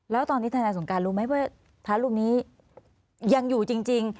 แล้วตอนนี้ธนายสงการรู้ไหมว่าพระรูปนี้ยังอยู่จริง